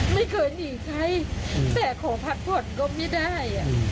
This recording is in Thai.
ไม่เคยหนีใครแต่ขอพักผ่อนก็ไม่ได้